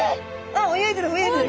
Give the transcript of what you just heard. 泳いでる泳いでる。